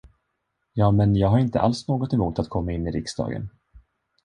Ja, men jag har inte alls något emot att komma in i riksdagen.